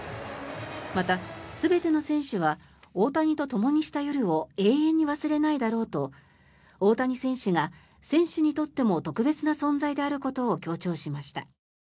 また、全ての選手は大谷とともにした夜を永遠に忘れないだろうと大谷選手が選手にとっても特別な存在であることを強調しました。